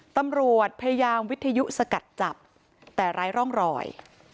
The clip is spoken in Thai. ตำรวจพยายามวิทยุสกัดจับแต่ไร้ร่องรอย